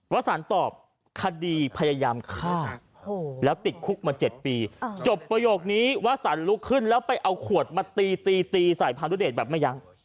สันตอบคดีพยายามฆ่าแล้วติดคุกมา๗ปีจบประโยคนี้วสันลุกขึ้นแล้วไปเอาขวดมาตีตีตีใส่พานุเดชแบบไม่ยั้ง